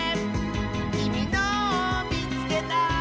「きみのをみつけた！」